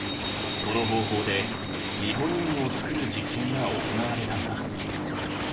この方法でニホニウムを作る実験が行われたんだ。